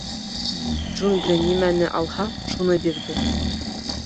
— Джунгли нимәне алһа, шуны бирҙе.